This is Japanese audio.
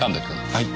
はい。